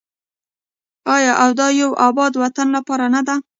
آیا او د یو اباد وطن لپاره نه ده؟